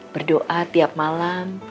berdoa tiap malam